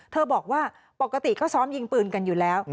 บอกว่าปกติก็ซ้อมยิงปืนกันอยู่แล้ว